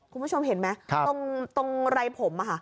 คุณผู้ชมเห็นไหมตรงไรผม